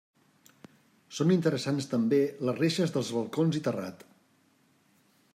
Són interessants també les reixes dels balcons i terrat.